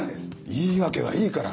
言い訳はいいから。